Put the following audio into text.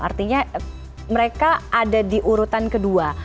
artinya mereka ada di urutan kedua